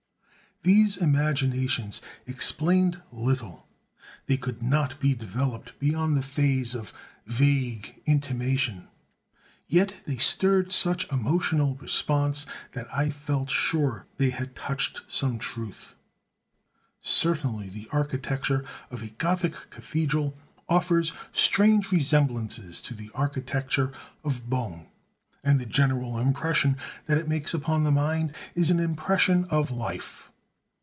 These imaginations explained little; they could not be developed beyond the phase of vague intimation: yet they stirred such emotional response that I felt sure they had touched some truth. Certainly the architecture of a Gothic cathedral offers strange resemblances to the architecture of bone; and the general impression that it makes upon the mind is an impression of life.